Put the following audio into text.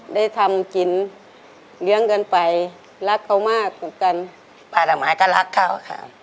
ได้ทำกินเลี้ยงกันไปรักเขามากปลูกกันป่าละหมาก็รักเขาค่ะ